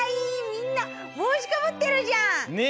みんなぼうしかぶってるじゃん！ね。